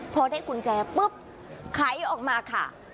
พอได้กุญแจปุ๊บไขออกมาค่ะ